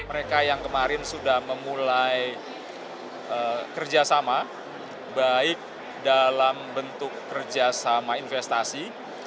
mereka yang kemarin sudah memulai kerjasama baik dalam bentuk kerjasama investasi